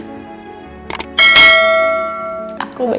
yang tenangnya di sana